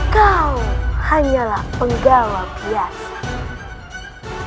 kau hanyalah penggawa biasa